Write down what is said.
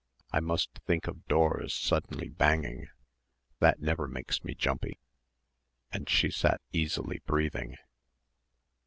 I must think of doors suddenly banging that never makes me jumpy and she sat easily breathing.